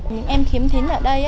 những em khiếm thính ở đây